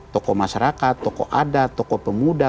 toko masyarakat toko adat toko pemuda